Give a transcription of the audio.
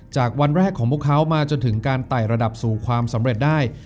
จากวันแรกของพวกเขามาจนถึงการไต่ระดับสู่ความสำเร็จได้